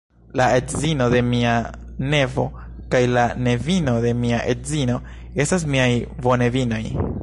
La edzino de mia nevo kaj la nevino de mia edzino estas miaj bonevinoj.